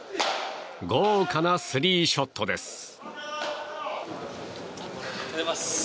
豪華なスリーショットです。